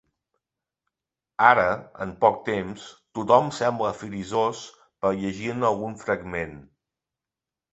Ara, en poc temps, tothom sembla frisós per llegir-ne algun fragment.